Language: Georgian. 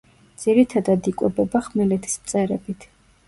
ძირითადად იკვებება ხმელეთის მწერებით.